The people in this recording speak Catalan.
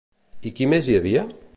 I qui més hi havia?